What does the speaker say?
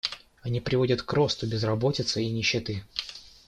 Они приводят к росту безработицы и нищеты.